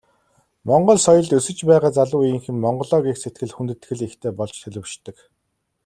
Монгол соёлд өсөж байгаа залуу үеийнхэн Монголоо гэх сэтгэл, хүндэтгэл ихтэй болж төлөвшдөг.